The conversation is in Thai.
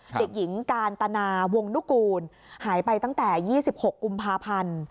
เด็กหญิงกาญตนาวงนุกูลหายไปตั้งแต่๒๖กุมภาพันธ์